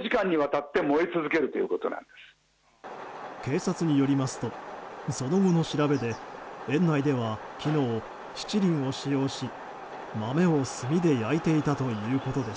警察によりますとその後の調べで園内では昨日、七輪を使用し豆を炭で焼いていたということです。